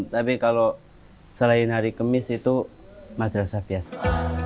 tapi kalau selain hari kemis itu madrasah biasa